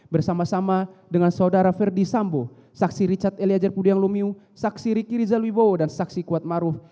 bersama sama dengan saudara ferdi sambo saksi richard eliajar pudiyanglumiu saksi ricky rizal wibowo dan saksi kuat maruh